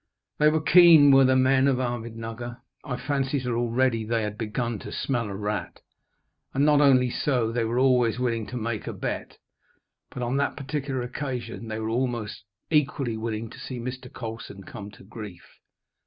They were keen, were the men of Ahmednugger. I fancy that already they had begun to smell a rat. And not only so; they were always willing to "make a bet." But on that particular occasion they were almost equally willing to see Mr. Colson come to grief.